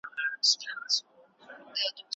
افغانستان د څو لسیزو جګړو له امله وروسته پاتې شوی دی.